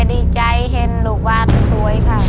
ต้นไม้ประจำจังหวัดระยองการครับ